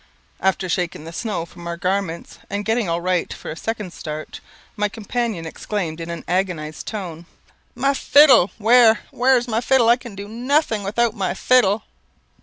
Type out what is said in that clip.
After shaking the snow from our garments, and getting all right for a second start, my companion exclaimed in an agonized tone "My fiddle! Where, where is my fiddle? I can do nothing without my fiddle."